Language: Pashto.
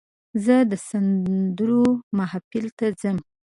زه د سندرو محفل ته ځم.